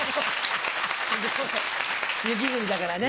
『雪國』だからね。